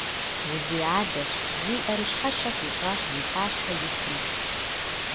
Узиадэщ, – жиӀэри щхьэщэ хуищӀащ зи пащхьэ итым.